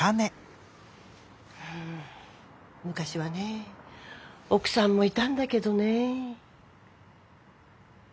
うん昔はね奥さんもいたんだけどね。